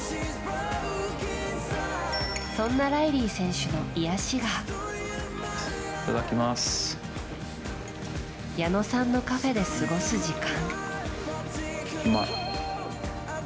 そんなライリー選手の癒やしが矢野さんのカフェで過ごす時間。